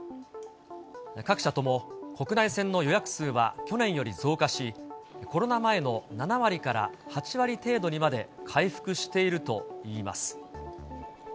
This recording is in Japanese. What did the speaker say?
各社とも国内線の予約数は去年より増加し、コロナ前の７割から８割程度にまで回復しているといいます。